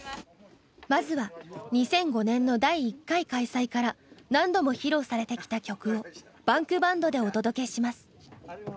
まずは２００５年の第１回開催から何度も披露されてきた曲をＢａｎｋＢａｎｄでお届けします。